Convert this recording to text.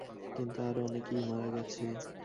কিন্তু আরো অনেকেই মারা গেছে।